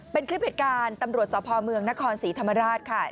เป็นคลิปเหตุการณ์ตำรวจสพเมืองนครศรีธรรมราชค่ะ